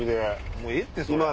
もうええってそれ。